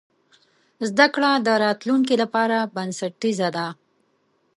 زده کړه د راتلونکي لپاره بنسټیزه ده.